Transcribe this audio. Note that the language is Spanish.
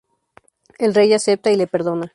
El Rey acepta y le perdona.